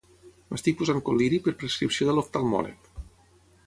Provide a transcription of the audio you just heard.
M'estic posant col·liri per prescripció de l'oftalmòleg.